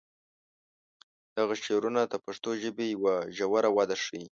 د هغه شعرونه د پښتو ژبې یوه ژوره وده ښیي.